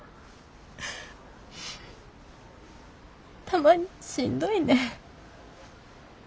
たまにしんどいねん。